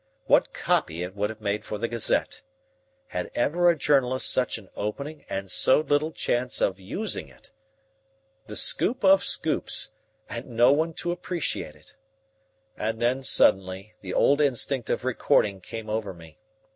What copy it would have made for the Gazette! Had ever a journalist such an opening and so little chance of using it the scoop of scoops, and no one to appreciate it? And then, suddenly, the old instinct of recording came over me.